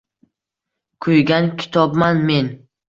Kuygan kitobman men